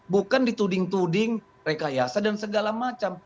bukan dituding tuding rekayasa dan segala macam